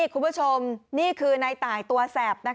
คุณผู้ชมนี่คือในตายตัวแสบ